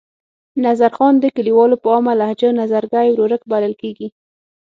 نظرخان د کلیوالو په عامه لهجه نظرګي ورورک بلل کېږي.